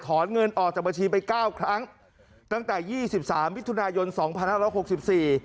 เงินออกจากบัญชีไปเก้าครั้งตั้งแต่ยี่สิบสามมิถุนายนสองพันห้าร้อยหกสิบสี่